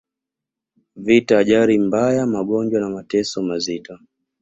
vita ajali mbaya magonjwa na mateso mazito